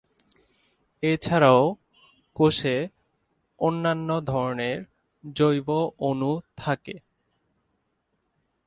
এছাড়াও কোষে অন্যান্য ধরনের জৈব অণু থাকে।